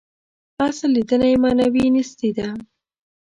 اصل لېدنه یې معنوي نیستي ده.